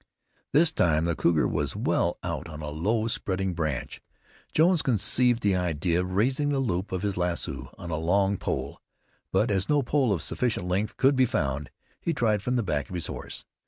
This time the cougar was well out on a low spreading branch. Jones conceived the idea of raising the loop of his lasso on a long pole, but as no pole of sufficient length could be found, he tried from the back of his horse.